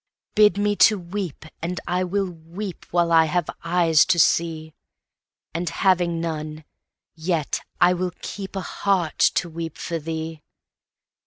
Bid me to weep, and I will weepWhile I have eyes to see; And having none, yet I will keepA heart to weep for thee.